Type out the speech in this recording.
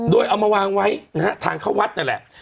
โดยเอามาวางไว้นะฮะทางเข้าวัดนั่นแหละ